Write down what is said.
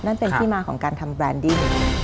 นั่นเป็นที่มาของการทำแบรนดิ้ง